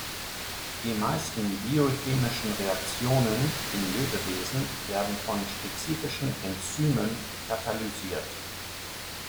Die meisten biochemischen Reaktionen in Lebewesen werden von spezifischen Enzymen katalysiert.